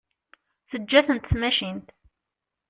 Teǧǧa-tent tmacint.